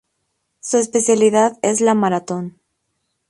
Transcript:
Su especialidad es la maratón.